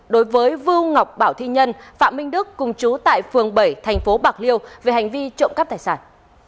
đối với vưu ngọc bảo thi nhân phạm minh đức cùng chú tại phường bảy tp bạc liêu về hành vi trộm cắp tài sản